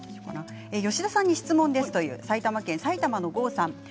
吉田さんに質問ですという埼玉県の方です。